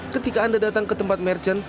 ketika anda datang ke tempat merchant